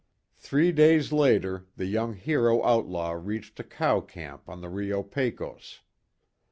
Three days later the young hero outlaw reached a cow camp on the Rio Pecos.